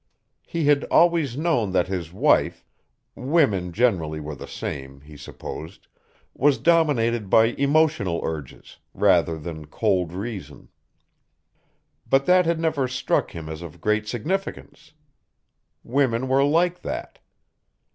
He had always known that his wife women generally were the same, he supposed was dominated by emotional urges, rather than cold reason. But that had never struck him as of great significance. Women were like that.